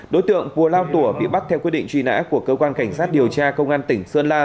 đối tượng bùa lao tủa bị bắt theo quy định truy nã của cơ quan cảnh sát điều tra công an tỉnh sơn la